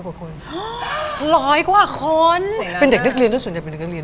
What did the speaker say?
เพราะคือเด็กเขาก็แบบอยากใกล้